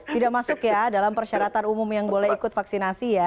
tidak masuk ya dalam persyaratan umum yang boleh ikut vaksinasi ya